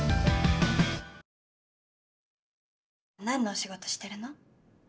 何のお仕事してるの？